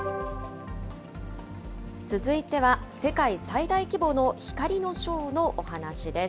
続いては、世界最大規模の光のショーのお話です。